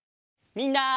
みんな！